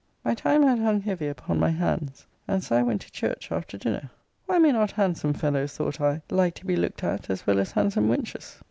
My time had hung heavy upon my hands; and so I went to church after dinner. Why may not handsome fellows, thought I, like to be looked at, as well as handsome wenches?